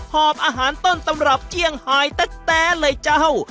หอบอาหารต้นตำรับเจียงไฮแต๊เลยเจ้า